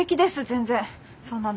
全然そんなの。